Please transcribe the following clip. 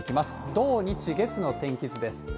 土、日、月の天気図です。